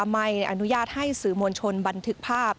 ไม่อนุญาตให้สื่อมวลชนบันทึกภาพ